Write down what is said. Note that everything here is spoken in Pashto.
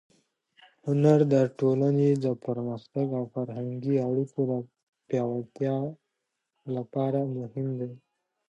هنر د ټولنې د پرمختګ او فرهنګي اړیکو د پیاوړتیا لپاره مهم دی.